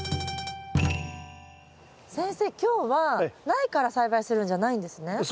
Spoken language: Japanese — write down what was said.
今日は苗から栽培するんじゃないんですね？